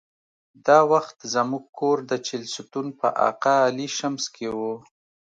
دا وخت زموږ کور د چهلستون په اقا علي شمس کې و.